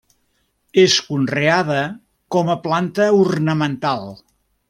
És conreada com a planta ornamental.